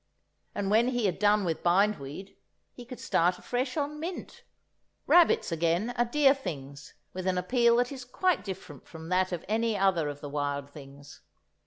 And when he had done with bindweed, he could start afresh on mint. Rabbits, again, are dear things, with an appeal that is quite different from that of any other of the wild things.